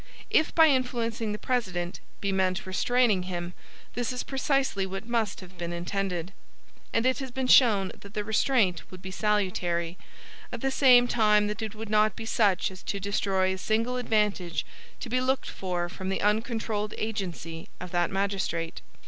If by influencing the President be meant restraining him, this is precisely what must have been intended. And it has been shown that the restraint would be salutary, at the same time that it would not be such as to destroy a single advantage to be looked for from the uncontrolled agency of that Magistrate.